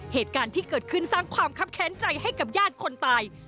เหตุการณ์ที่เกิดขึ้นสร้างความคับแค้นใจให้กับญาติคนตาย